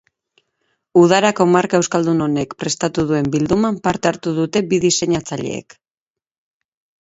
Udarako marka euskaldun honek prestatu duen bilduman parte hartu dute bi diseinatzaileek.